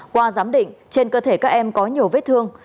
qua giám định trên cơ thể các em có nhiều vết thương